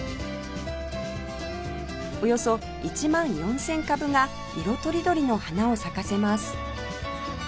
およそ１万４０００株が色とりどりの花を咲かせます